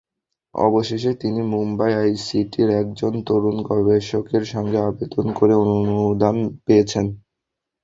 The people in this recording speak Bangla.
অবশেষে তিনি মুম্বাই আইআইটির একজন তরুণ গবেষকের সঙ্গে আবেদন করে অনুদান পেয়েছেন।